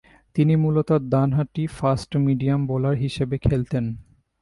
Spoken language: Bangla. তিনি মূলতঃ ডানহাতি ফাস্ট-মিডিয়াম বোলার হিসেবে খেলতেন।